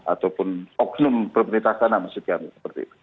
ataupun oknum pemerintah sana maksud kami